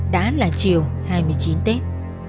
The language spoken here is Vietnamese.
đã là chiều hai mươi chín tết